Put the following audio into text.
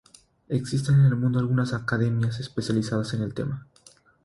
Existen en el mundo algunas academias especializadas en el tema.